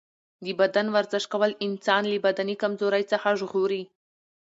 د بدن ورزش کول انسان له بدني کمزورۍ څخه ژغوري.